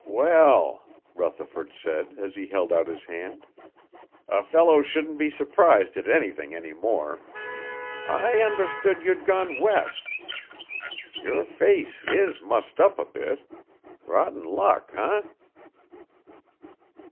"Well," Rutherford said, as he held out his hand, "a fellow shouldn't be surprised at anything any more. I understood you'd gone west. Your face is mussed up a bit. Rotten luck, eh?"